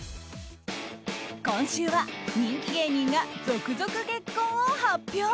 今週は人気芸人が続々結婚を発表。